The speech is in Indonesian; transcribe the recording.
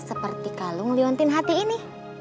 seperti kalung liontin hati ini